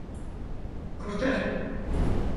Kurtarın!